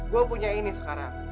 saya punya ini sekarang